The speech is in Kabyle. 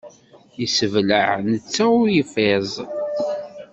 Yesseblaɛ netta ul yeffiẓ.